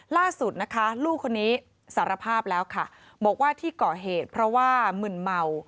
ล่าสุดนะคะลูกคนนี้สารภาพแล้วค่ะบอกว่าที่ก่อเหตุเพราะว่ามึนเมา